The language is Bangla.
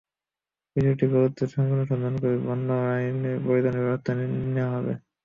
বিষয়টি গুরুত্বের সঙ্গে অনুসন্ধান করে বন্য প্রাণী আইনে প্রয়োজনীয় ব্যবস্থা নেওয়া হবে।